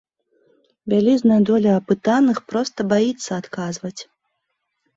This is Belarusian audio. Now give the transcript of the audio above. Вялізная доля апытаных проста баіцца адказваць.